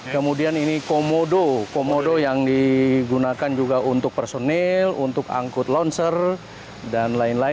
kemudian ini komodo komodo yang digunakan juga untuk personil untuk angkut loncer dan lain lain